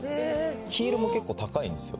ヒールも結構高いんですよ。